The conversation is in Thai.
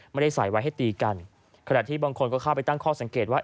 ไม่ได้ใส่ไว้ให้ตีกันขณะที่บางคนก็เข้าไปตั้งข้อสังเกตว่า